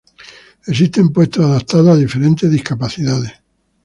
Existen puestos adaptados a diferentes discapacidades.